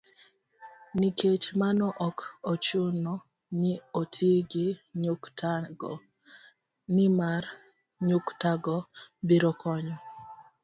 Nikech mano, ok ochuno ni oti gi nyuktago, nimar nyuktago biro konyo